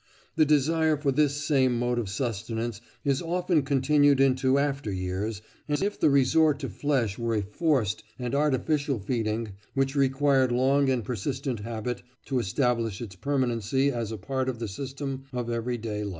The desire for this same mode of sustenance is often continued into after years, as if the resort to flesh were a forced and artificial feeding, which required long and persistent habit to establish its permanency as a part of the system of every day life."